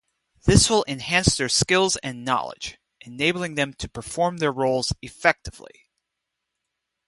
This will enhance their skills and knowledge, enabling them to perform their roles effectively.